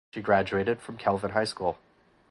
She graduated from Kelvin High School.